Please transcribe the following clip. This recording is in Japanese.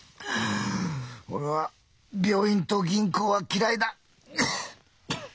俺は病院と銀行は嫌いだ。